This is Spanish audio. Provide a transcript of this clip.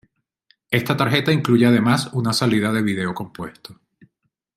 Esta tarjeta incluye además una salida de vídeo compuesto.